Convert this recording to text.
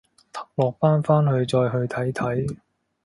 落班翻去再去睇睇